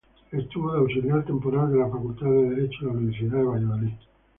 Fue auxiliar temporal de la Facultad de Derecho de la Universidad de Valladolid.